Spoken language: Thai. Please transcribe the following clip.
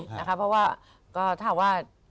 เพราะว่าก็ถามว่า